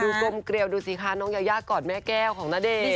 มีขมเกรี่ยวดูสิคารน้องยาวยักกรแม่แก้วของณเดชน์